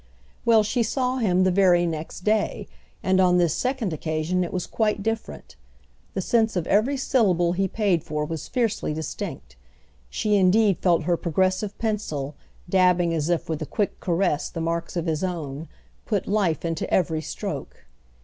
Well, she saw him the very next day, and on this second occasion it was quite different; the sense of every syllable he paid for was fiercely distinct; she indeed felt her progressive pencil, dabbing as if with a quick caress the marks of his own, put life into every stroke.